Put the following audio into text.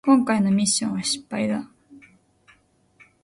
こんかいのミッションは失敗だ